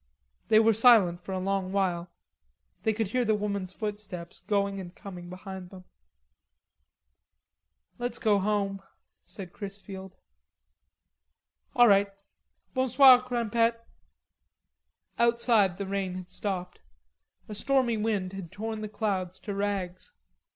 They were silent for a long while. They could hear the woman's footsteps going and coming behind them. "Let's go home," said Chrisfield. "All right.... Bonsoir, Crimpette." Outside the rain had stopped. A stormy wind had torn the clouds to rags.